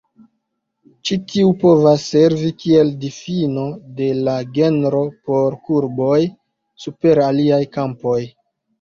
Ĉi tiu povas servi kiel difino de la genro por kurboj super aliaj kampoj.